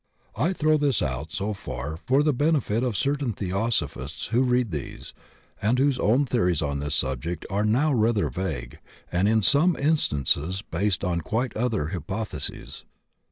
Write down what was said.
I throw this out so far for the benefit of certain theosophists who read these and whose own theories on this subject are now rather vague and in some instances based on quite other hypotheses.